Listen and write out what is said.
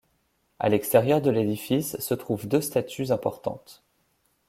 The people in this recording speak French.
À l'extérieur de l'édifice se trouvent deux statues importantes.